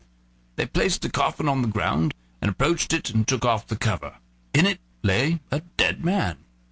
They placed the coffin on the ground, and he approached it and took off the cover. In it lay a dead man.